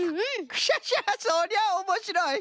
クシャシャそりゃおもしろい！